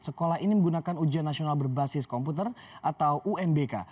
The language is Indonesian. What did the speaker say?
sekolah ini menggunakan ujian nasional berbasis komputer atau unbk